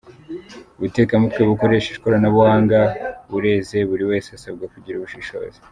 Ubutekamutwe bukoresheje ikoranabuhanga bureze buri wese asabwa kugira ubushishozi.